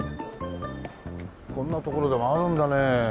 こんな所でもあるんだね。